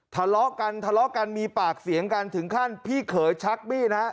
ทะเลาะกันทะเลาะกันมีปากเสียงกันถึงขั้นพี่เขยชักมีดนะฮะ